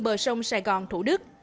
bờ sông sài gòn thủ đức